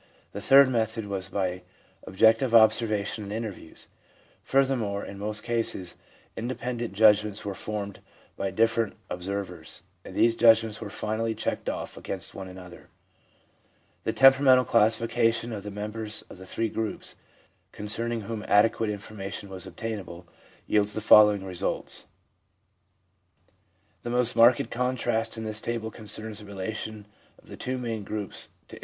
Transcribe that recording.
... The third method was by objective observation and interviews. ... Further more, in most cases, independent judgments were formed by different observers, and these judgments were finally checked off against one another. ... 1 The temperamental classification of the members of the three groups, concerning whom adequate information was obtainable, yields the following results :— RELATION OF STRIKING TRANSFORMATION TO TEMPERAMENT. V ^S a c ^£ GROurs L, II.